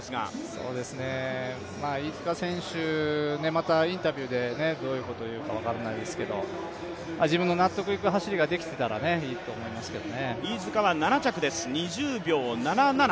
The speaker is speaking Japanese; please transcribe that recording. また、インタビューでどういうことを言うか分からないんですけど自分が納得いく走りができていたらいいと思うんですけどね飯塚は７着です２０秒７７。